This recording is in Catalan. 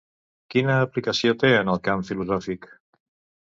Quina aplicació té en el camp filosòfic?